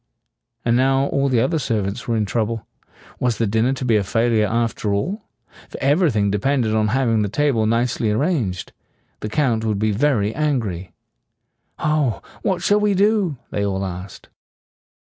And now all the other servants were in trouble. Was the dinner to be a failure after all? For everything de pend ed on having the table nicely arranged. The Count would be very angry. "Ah, what shall we do?" they all asked.